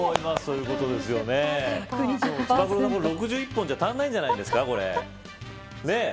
６１本じゃ足りないんじゃないですか。